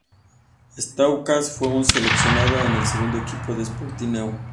Stauskas fue un seleccionado en el segundo equipo por Sporting News.